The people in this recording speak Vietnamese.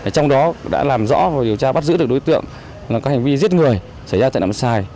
trong đó đã làm rõ và điều tra bắt giữ được đối tượng là các hành vi giết người xảy ra tại nặng xài